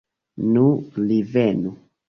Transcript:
Nu, li venu.